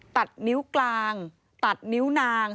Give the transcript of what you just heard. ตัดนิ้วกลางตัดนิ้วนาง